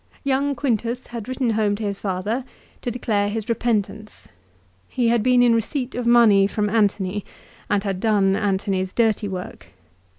Young Quintus had written home to his father to declare his repentance. He had been in receipt of money from Antony, and had done Antony's dirty work.